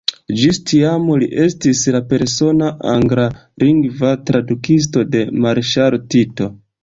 Ĝis tiam, li estis la persona anglalingva tradukisto de marŝalo Tito.